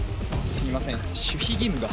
すいません守秘義務が。